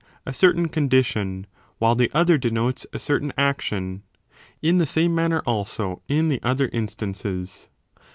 a certain condition while the other denotes a certain action. In the same manner also in the other instances.